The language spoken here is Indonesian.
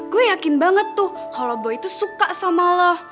gue yakin banget tuh kalau boy itu suka sama lo